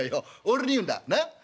俺に言うんだな？